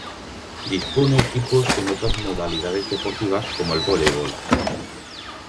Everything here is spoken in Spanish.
Dispone equipos en otras modalidades deportivas como voleibol.